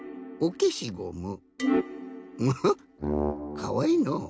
かわいいのう。